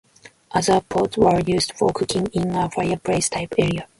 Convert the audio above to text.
Other pots were used for cooking in a fireplace type area.